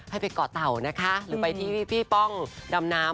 ให้ไปเกาะเต่านะคะหรือไปที่พี่ป้องดำน้ำ